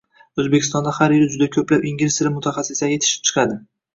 O‘zbekistonda har yili juda ko‘plab ingliz tili mutaxassislari yetishib chiqadi.